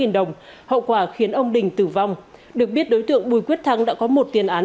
bốn trăm tám mươi tám đồng hậu quả khiến ông đình tử vong được biết đối tượng bùi quyết thắng đã có một tiền án